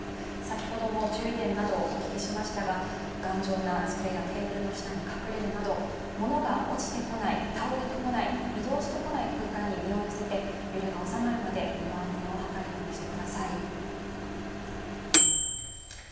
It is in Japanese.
先ほども注意点などお聞きしましたが頑丈な机やテーブルの下に隠れるなど、物が落ちてこない、倒れてこない、移動してこない空間に身を寄せて身の安全をはかるようにしてください。